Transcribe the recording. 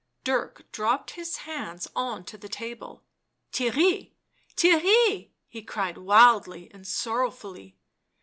Dirk dropped his hands on to the table. " Theirry ! Theirry!" he cried wildly and sorrowfully.